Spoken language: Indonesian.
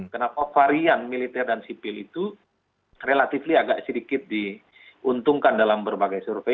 kenapa varian militer dan sipil itu relatif agak sedikit diuntungkan dalam berbagai survei